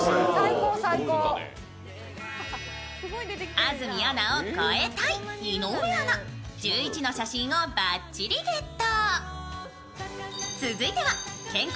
安住アナを超えたい井上アナ、１１の写真をバッチリ、ゲット。